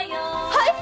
はい！？